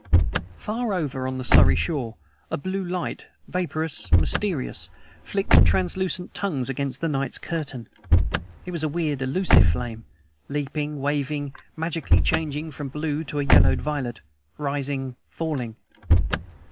Far over on the Surrey shore a blue light vaporous, mysterious flicked translucent tongues against the night's curtain. It was a weird, elusive flame, leaping, wavering, magically changing from blue to a yellowed violet, rising, falling.